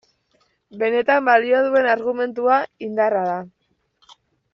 Benetan balio duen argumentua indarra da.